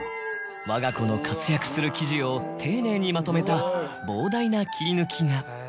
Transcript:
わが子の活躍する記事を丁寧にまとめた膨大な切り抜きが。